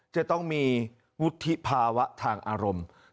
จะต้องมีวุฒิภาวะทางอารมณ์